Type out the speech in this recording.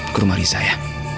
ke rumah riza ya